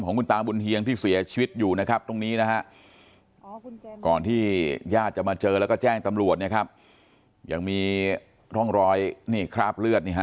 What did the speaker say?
คือว่าต้องอนุญาตเจ้าของบ้านก่อนครับ